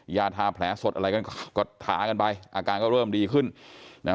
ยาทาแผลสดอะไรกันก็ถากันไปอาการก็เริ่มดีขึ้นนะฮะ